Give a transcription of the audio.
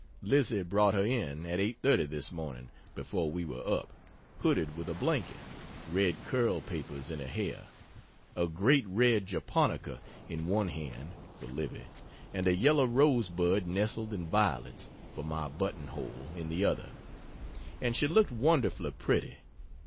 Lizzie brought her in at 8.30 this morning (before we were up) hooded with a blanket, red curl papers in her hair, a great red japonica, in one hand (for Livy) and a yellow rose bud nestled in violets (for my buttonhole) in the other and she looked wonderfully pretty.